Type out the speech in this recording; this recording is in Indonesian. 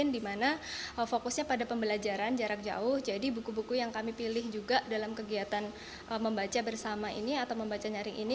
dimana fokusnya pada pembelajaran jarak jauh jadi buku buku yang kami pilih juga dalam kegiatan membaca bersama ini atau membaca nyaring ini